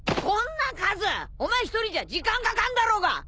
こんな数お前一人じゃ時間かかんだろうが！